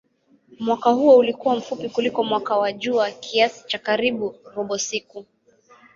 Mwaka huo ulikuwa mfupi kuliko mwaka wa jua kiasi cha karibu robo siku.